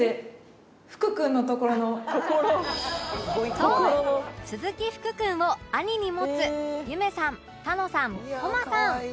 そう鈴木福君を兄に持つ夢さん楽さん誉さん